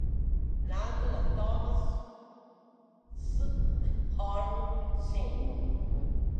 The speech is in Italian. Nato da Thomas S. Horn, Sr.